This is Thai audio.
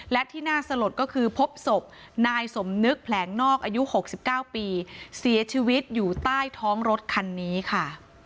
และที่น่าสลดก็คือพบศพนายสมนึกแผลงนอกอายุ๖๙ปีเสียชีวิตอยู่ใต้ท้องรถคันนี้ค่ะ